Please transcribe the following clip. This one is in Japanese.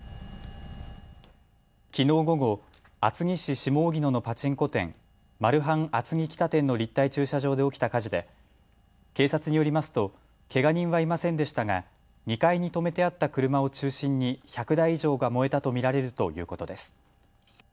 きのう午後、厚木市下荻野のパチンコ店、マルハン厚木北店の立体駐車場で起きた火事で警察によりますとけが人はいませんでしたが２階に止めてあった車を中心に１００台以上が燃えたと見られるということです。